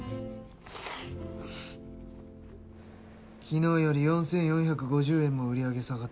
昨日より４４５０円も売り上げ下がってる。